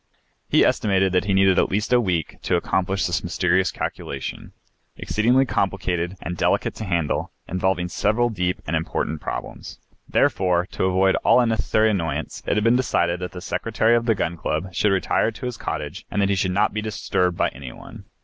He estimated that he needed at least a week to accomplish this mysterious calculation, exceedingly complicated and delicate to handle, involving several deep and important problems. Therefore, to avoid all unnecessary annoyance, it had been decided that the Secretary of the Gun Club should retire to his cottage and that he should not be disturbed by any one.